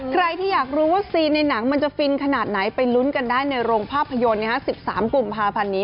ใครที่อยากรู้ว่าซีนในหนังมันจะฟินขนาดไหนไปลุ้นกันได้ในโรงภาพยนตร์๑๓กุมภาพันธ์นี้